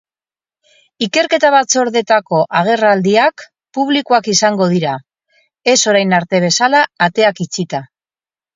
Ikerketa batzordeetako agerraldiak publikoak izango dira, ez orain arte bezala ateak itxita.